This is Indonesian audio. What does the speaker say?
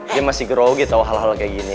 dia masih grow gitu hal hal kayak gini